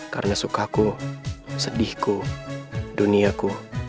karena sukaku sedihku duniaku